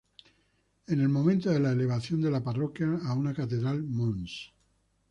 En el momento de la elevación de la parroquia a una catedral, Mons.